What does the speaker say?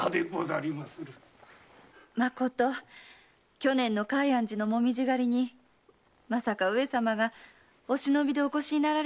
まこと去年の海晏寺の紅葉狩りにまさか上様がお忍びでお越しになられていたとは。